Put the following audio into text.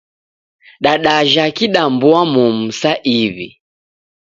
Dadajha kidambua-momu saa iw'i.